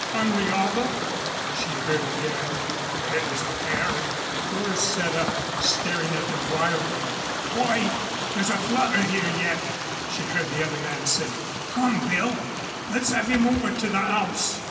"And the other?" she heard again. "Dead as a 'errin'!" Doris sat up, staring at them wildly. "Wait! There's a flutter 'ere yet." She heard the other man say. "Come, Bill. Let's have 'im over to the 'ouse."